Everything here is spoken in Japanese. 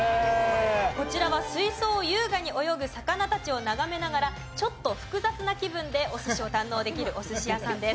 こちらは水槽を優雅に泳ぐ魚たちを眺めながらちょっと複雑な気分でお寿司を堪能できるお寿司屋さんです。